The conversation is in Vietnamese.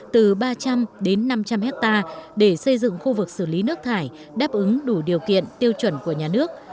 từ ba trăm linh đến năm trăm linh hectare để xây dựng khu vực xử lý nước thải đáp ứng đủ điều kiện tiêu chuẩn của nhà nước